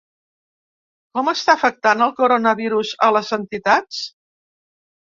Com està afectant el coronavirus a les entitats?